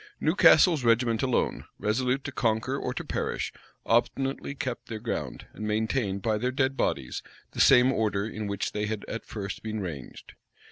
Newcastle's regiment alone, resolute to conquer or to perish, obstinately kept their ground, and maintained, by their dead bodies, the same order in which they had at first been ranged.